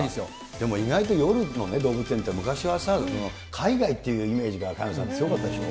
でも意外と夜の動物園って、昔はさ、海外っていうイメージが萱野さん、強かったでしょ。